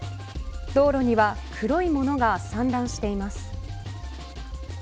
道路には黒い物が散乱しています。